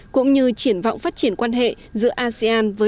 cũng như triển vọng phát triển quan hệ giữa asean với